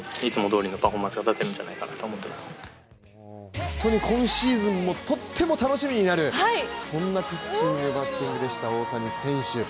本当に今シーズンもとっても楽しみになるそんなピッチング、バッティングでした大谷選手。